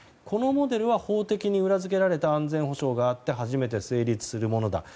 このモデルは法的に裏付けられた安全保障があって初めて成立するものだ。